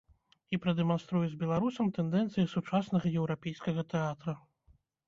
І прадэманструюць беларусам тэндэнцыі сучаснага еўрапейскага тэатра.